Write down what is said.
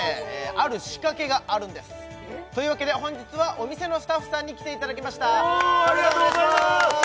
ある仕掛けがあるんですというわけで本日はお店のスタッフさんに来ていただきましたそれではお願いします